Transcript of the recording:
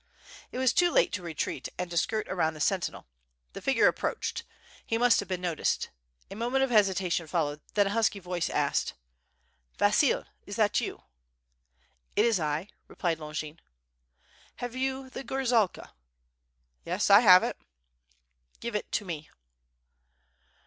It was too late to retreat and to skirt around the sentinel. The figure approached, he must have been noticed, a moment of hesita tion followed, then a husky voice asked: "Vasil, is that you?" "It is I," replied Longin. "Have you the gorzalka?" "Yes, I have it." "Give it to me."